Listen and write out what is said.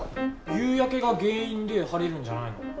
夕焼けが原因で晴れるんじゃないの？